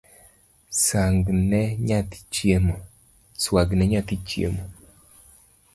Swagne nyathi chiemo